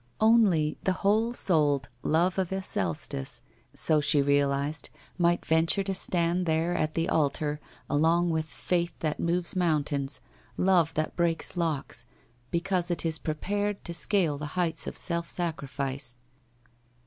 Only the whole souled love of Alcestis, so she realised, might venture to stand there at the altar along with Faith that moves mountains, love that breaks locks, because it is pre pared, to scale the heights of self sacrifice.